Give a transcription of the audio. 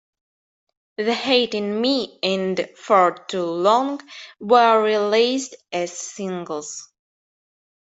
"The Hate In Me" and "Far Too Long" were released as singles.